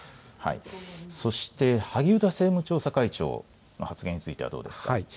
そして萩生田政務調査会長の発言についてはどうですか。